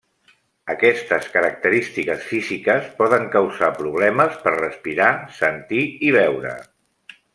Aquestes característiques físiques poden causar problemes per respirar, sentir i veure.